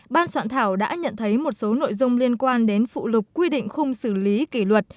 ban soạn thảo đã nhận thấy một số nội dung liên quan đến phụ lục quy định khung xử lý kỷ luật